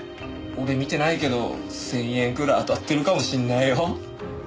俺見てないけど１０００円ぐらい当たってるかもしれないよ？